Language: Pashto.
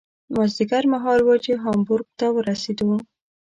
مازدیګر مهال و چې هامبورګ ته ورسېدو.